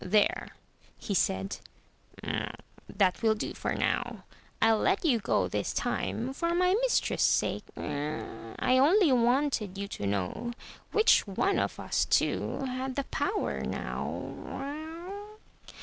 "There!'' he said, "that will do for now. TU let you go this time, for my mistress's sake. I only wanted you to know which one of us two had the power now."